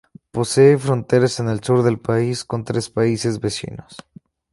Posee fronteras en el sur del país con tres países vecinos.